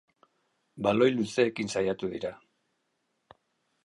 Baloi luzeekin saiatu dira.